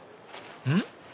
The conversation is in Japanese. うん？